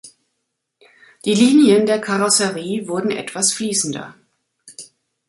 Die Linien der Karosserie wurden etwas fließender.